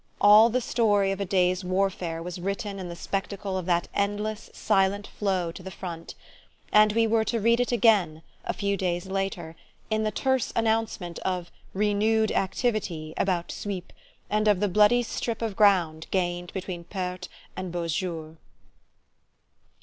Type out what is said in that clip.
All the story of a day's warfare was written in the spectacle of that endless silent flow to the front: and we were to read it again, a few days later, in the terse announcement of "renewed activity" about Suippes, and of the bloody strip of ground gained between Perthes and Beausejour.